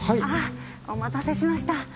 あっお待たせしました。